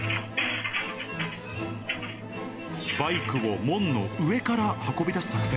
バイクを門の上から運び出す作戦。